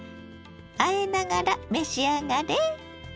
あえながら召し上がれ！